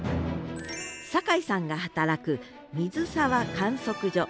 酒井さんが働く水沢観測所。